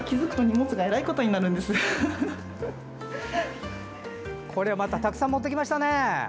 これまたたくさん持ってきましたね。